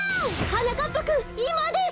はなかっぱくんいまです！